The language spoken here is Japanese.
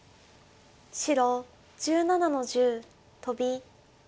白１７の十トビ。